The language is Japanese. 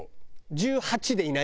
１８でいない？